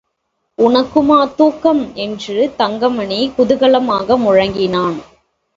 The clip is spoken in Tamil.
உனக்குமா தூக்கம்? என்று தங்கமணி குதூகலமாக முழங்கினான்.